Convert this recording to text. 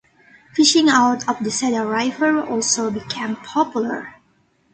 Fishing out of the Cedar River also became popular.